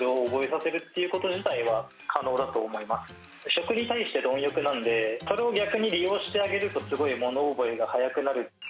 食に対して貪欲なんで、それを逆に利用してあげると、すごい物覚えが早くなる。